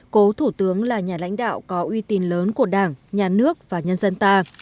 cố thủ tướng là nhà lãnh đạo có uy tín lớn của đảng nhà nước và nhân dân ta